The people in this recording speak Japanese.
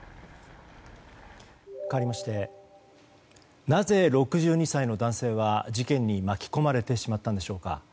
かわりましてなぜ６２歳の男性は事件に巻き込まれてしまったのでしょうか。